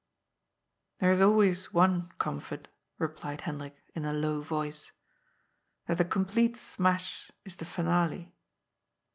'*" There is always one comfort," replied Hendrik in a low voice. " That the complete smash is the finale."